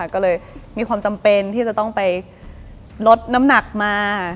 ก็เลยมีความจำเป็นที่จะต้องไปลดน้ำหนักมา